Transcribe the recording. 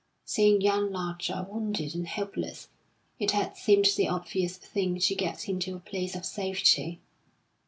Seeing young Larcher wounded and helpless, it had seemed the obvious thing to get him to a place of safety.